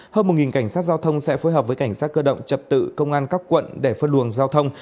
hơn một cảnh sát giao thông sẽ phối hợp với cảnh sát cơ động trật tự công an các quận để phân luồng giao thông